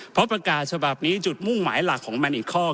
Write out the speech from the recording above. เพราะประกาศฉบับนี้จุดมุ่งหมายหลักของมันอีกข้อ